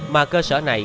mà cơ sở này